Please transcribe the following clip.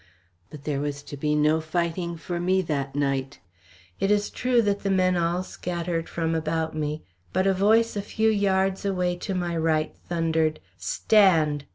But there was to be no fighting for me that night. It is true that the men all scattered from about me, but a voice a few yards to my right thundered, "Stand!"